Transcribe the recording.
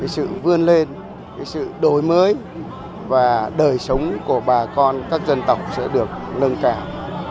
sự vươn lên sự đổi mới và đời sống của bà con các dân tộc sẽ được nâng cao